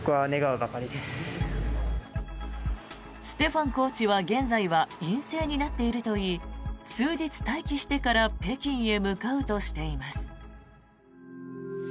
ステファンコーチは現在は陰性になっているといい数日待機してから北京へ向かうとしています。